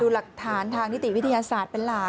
หลักฐานทางนิติวิทยาศาสตร์เป็นหลัก